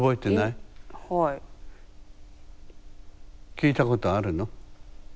聞いたことあるの？